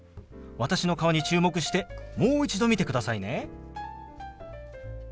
私の顔に注目してもう一度見てくださいね。